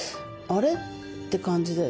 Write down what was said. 「あれ？」って感じで。